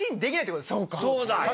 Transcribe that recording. そうだ！